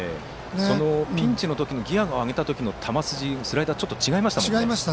ピンチの時ギヤを上げた時の球筋スライダーはちょっと違いましたもんね。